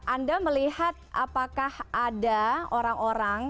anda melihat apakah ada orang orang